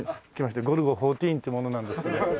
ゴルゴ１４って者なんですけど。